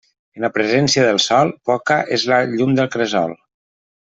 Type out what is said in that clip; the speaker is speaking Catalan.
En la presència del sol, poca és la llum del cresol.